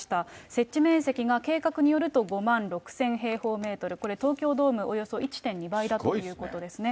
設置面接が計画によると５万６０００平方メートル、これ、東京ドームおよそ１．２倍だということですね。